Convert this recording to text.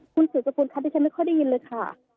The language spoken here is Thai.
คุณสุจกุลครับแต่ฉันไม่ค่อยได้ยินเลยค่ะ